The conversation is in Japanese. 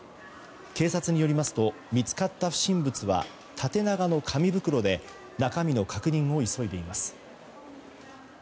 警察によりますと見つかった不審物は縦長の紙袋で中身の確認を急いでいます。